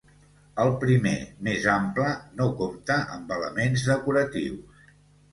El primer, més ample, no compta amb elements decoratius.